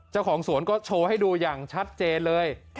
เจ้าของสวนก็โชว์ให้ดูอย่างชัดเจนเลย